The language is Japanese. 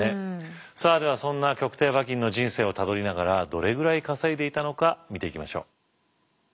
さあではそんな曲亭馬琴の人生をたどりながらどれぐらい稼いでいたのか見ていきましょう。